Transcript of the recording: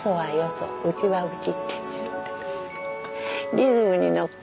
リズムにのって。